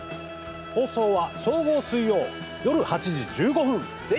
放送は総合水曜夜８時１５分。